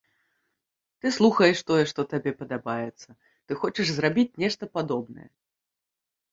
Ты слухаеш тое, што табе падабаецца, ты хочаш зрабіць нешта падобнае.